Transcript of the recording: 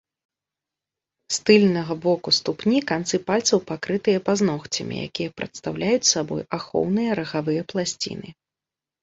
З тыльнага боку ступні канцы пальцаў пакрытыя пазногцямі, якія прадстаўляюць сабой ахоўныя рагавыя пласціны.